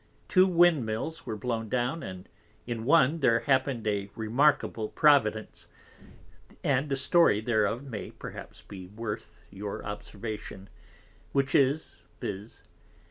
Two Wind mills were blown down, and in one there happened a remarkable Providence, and the Story thereof may perhaps be worth your observation, which is, _viz.